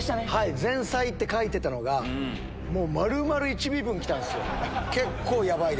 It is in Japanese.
前菜って書いてあったのが、もう丸々１尾分きたんですよ。